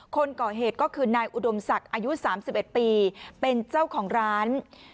คนก่อเหตุก็คือนายอุดมศักดิ์อายุ๓๑ปีเป็นเจ้าของร้าน